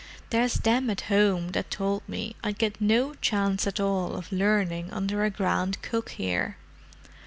"There's them at home that towld me I'd get no chance at all of learning under a grand cook here.